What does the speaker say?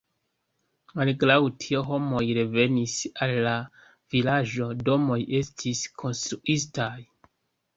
Malgraŭ tio, homoj revenis al la vilaĝo, domoj estis konstruitaj.